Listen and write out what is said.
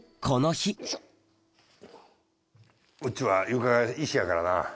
この日うちは床が石やからな。